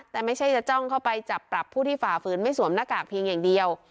แต่ไม่ใช่จะจ้องเข้าไปจับปรับผู้ที่ฝ่าฝืนไม่สวมหน้ากากเพียงอย่างเดียว